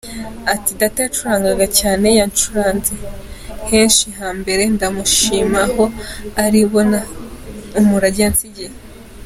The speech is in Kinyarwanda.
Ati “Data yaracurangaga cyane, yacuranze henshi hambere, ndamushima aho aria bona umurage yansigiye.